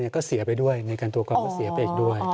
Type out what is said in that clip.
ก็เสียไปด้วยในการตัวกองก็เสียไปอีกด้วย